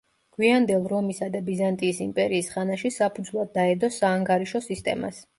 გვიანდელ რომისა და ბიზანტიის იმპერიის ხანაში საფუძვლად დაედო საანგარიშო სისტემას.